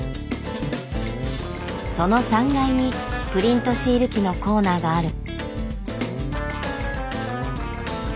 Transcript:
その３階にプリントシール機のコーナーがある。